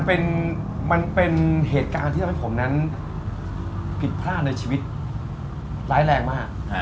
มันเป็นเหตุการณ์ที่ทำให้ผมนั้นผิดพลาดในชีวิตร้ายแรงมาก